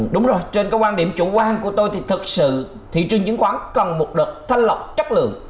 đúng rồi trên cái quan điểm chủ quan của tôi thì thực sự thị trường chứng khoán cần một đợt thanh lọc chất lượng